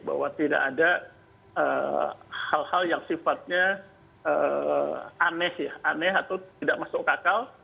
bahwa tidak ada hal hal yang sifatnya aneh ya aneh atau tidak masuk akal